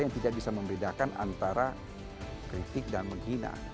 yang tidak bisa membedakan antara kritik dan menghina